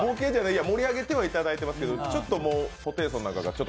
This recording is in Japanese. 盛り上げてはいただいてますけど、ちょっともうホテイソンなんかが。